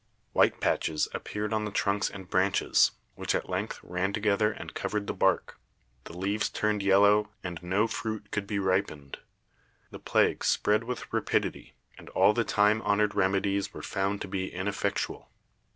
White patches appeared on the trunks and branches, which at length ran together and covered the bark, the leaves turned yellow, and no fruit could be ripened. The plague spread with rapidity, and all the time honored remedies were found to be ineffectual.